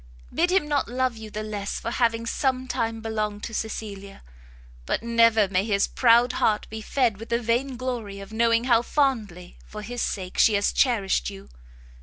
Bid him not love you the less for having some time belonged to Cecilia; but never may his proud heart be fed with the vain glory of knowing how fondly for his sake she has cherished you!